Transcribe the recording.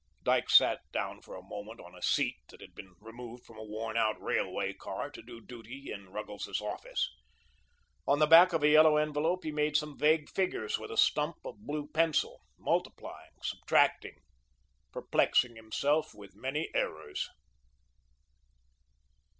Dyke sat down for a moment on a seat that had been removed from a worn out railway car to do duty in Ruggles's office. On the back of a yellow envelope he made some vague figures with a stump of blue pencil, multiplying, subtracting, perplexing himself with many errors.